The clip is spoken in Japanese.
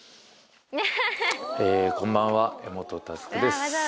こんばんは柄本佑です。